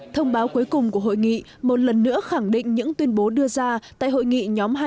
thông báo cuối cùng của hội nghị một lần nữa khẳng định những tuyên bố đưa ra tại hội nghị nhóm hai